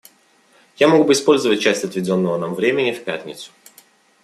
Я мог бы использовать часть отведенного нам времени в пятницу.